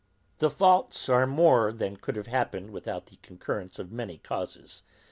The faults are more than could have happened without the concurrence of many causes.